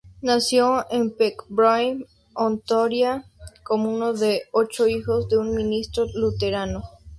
Nació en Pembroke, Ontario, como uno de ocho hijos de un ministro luterano.